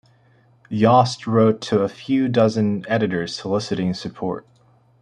Yost wrote to a few dozen editors soliciting support.